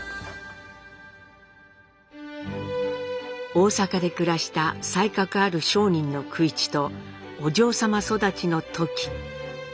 大阪で暮らした才覚ある商人の九一とお嬢様育ちのトキ。